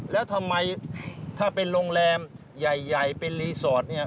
แล้วทำไมถ้าเป็นโรงแรมใหญ่เป็นรีสอร์ทเนี่ย